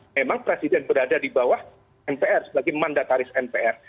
memang presiden berada di bawah mpr sebagai mandataris mpr